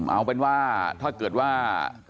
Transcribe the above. เอาเป็นว่าถ้าเกิดว่า